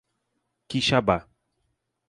Quixaba